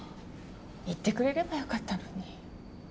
言ってくれればよかったのに。